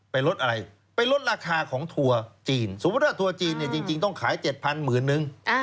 ลดอะไรไปลดราคาของทัวร์จีนสมมุติว่าทัวร์จีนเนี่ยจริงต้องขาย๗๐๐หมื่นนึง